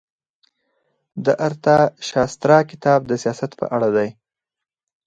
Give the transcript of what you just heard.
د ارتاشاسترا کتاب د سیاست په اړه دی.